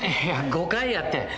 いや誤解やって。